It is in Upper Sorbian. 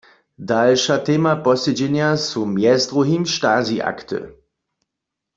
Dalša tema posedźenja su mjez druhim stasiakty.